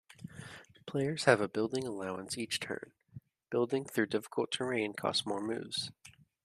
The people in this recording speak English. Players have a building allowance each turn; building through difficult terrain costs more moves.